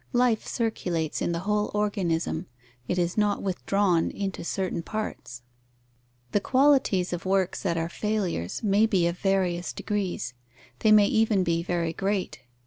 Life circulates in the whole organism: it is not withdrawn into certain parts. The qualities of works that are failures may be of various degrees. They may even be very great.